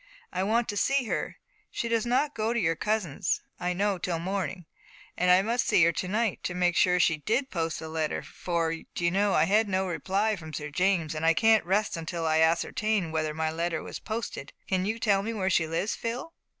I want to see her. She does not go to your cousin's, I know, till morning, and I must see her to night, to make sure that she did post the letter, for, d'you know, I've had no reply from Sir James, and I can't rest until I ascertain whether my letter was posted. Can you tell me where she lives, Phil?"